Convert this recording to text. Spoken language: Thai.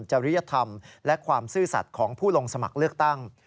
จริยธรรมและความซื่อสัตว์ของผู้ลงสมัครเลือกตั้ง